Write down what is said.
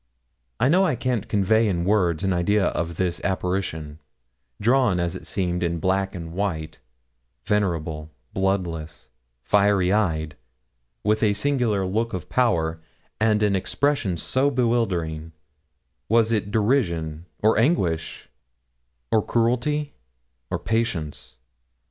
I know I can't convey in words an idea of this apparition, drawn as it seemed in black and white, venerable, bloodless, fiery eyed, with its singular look of power, and an expression so bewildering was it derision, or anguish, or cruelty, or patience?